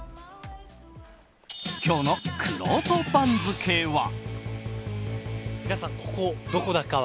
今日のくろうと番付は。